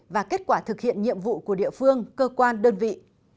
và kết quả thực hiện nhiệm vụ của địa phương cơ quan đơn vị